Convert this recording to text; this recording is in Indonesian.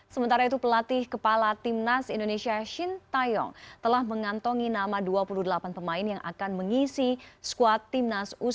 sementara itu pelatih kepala timnas indonesia shin taeyong telah mengantongi nama dua puluh delapan pemain yang akan mengisi skuad timnas u sembilan belas